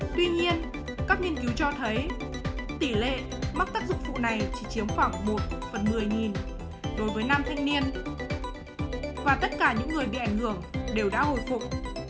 tuy nhiên các nghiên cứu cho thấy tỷ lệ mắc tác dụng phụ này chỉ chiếm khoảng một phần một mươi đối với nam thanh niên và tất cả những người bị ảnh hưởng đều đã hồi phục